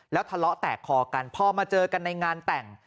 แล้วทะเลาะแตกคอกันพอมาเจอกันในงานแต่ง